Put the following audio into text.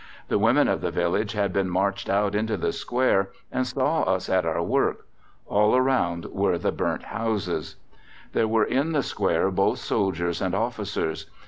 The women of the village had been marched out into the Square, and saw us at our work. All around were the burnt houses. "There were in the Square both soldiers and officers.